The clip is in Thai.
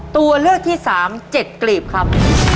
ตัวเลือกที่สามเจ็ดกรีบครับ